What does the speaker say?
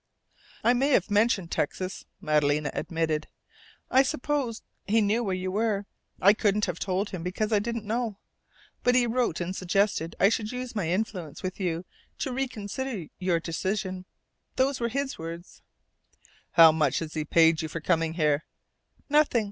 "I may have mentioned Texas," Madalena admitted. "I supposed he knew where you were. I couldn't have told him, because I didn't know. But he wrote and suggested I should use my influence with you to reconsider your decision. Those were his words." "How much has he paid you for coming here?" "Nothing.